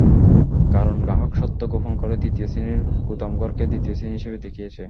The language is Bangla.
কারণ, গ্রাহক সত্য গোপন করে তৃতীয় শ্রেণীর গুদামঘরকে দ্বিতীয় শ্রেণী হিসেবে দেখিয়েছে।